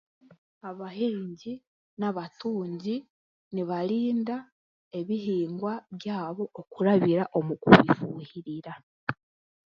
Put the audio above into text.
Abahingi n'abatungi nibarinda ebihingwa byabo omukurabira omu kufuuhirira.